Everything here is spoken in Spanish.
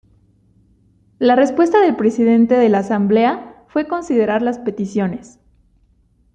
La respuesta del presidente de la Asamblea fue considerar las peticiones.